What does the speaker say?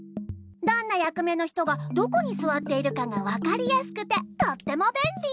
どんなやくめのひとがどこにすわっているかがわかりやすくてとってもべんり！